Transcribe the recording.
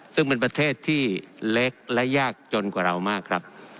ซึ่งเป็นประเทศที่เล็กและยากจนกว่าเรามากครับ